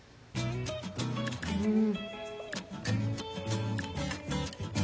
うん！